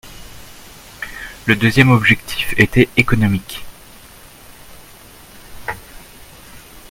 Le deuxième objectif était économique.